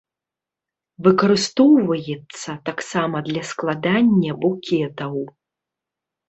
Выкарыстоўваецца таксама для складання букетаў.